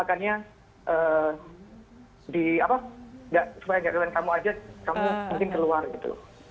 supaya gak ada yang kamu ajak kamu mungkin keluar gitu